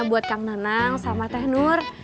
buat kang nenang sama teh nur